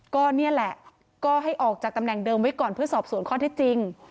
ก็นี่แหละก็ให้ออกจากตำแหน่งเดิมไว้ก่อนเพื่อสอบสวนข้อเท็จจริง